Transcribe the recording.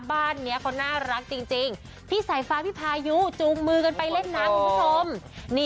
บ้านเนี้ยเค้าน่ารักจริง